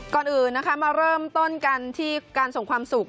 ก่อนอื่นนะคะมาเริ่มต้นกันที่การส่งความสุข